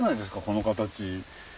この形。